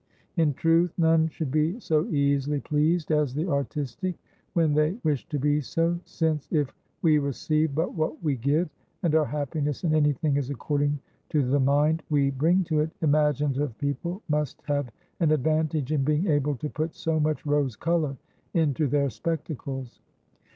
In truth, none should be so easily pleased as the artistic, when they wish to be so, since if "we receive but what we give," and our happiness in any thing is according to the mind we bring to it, imaginative people must have an advantage in being able to put so much rose color into their spectacles.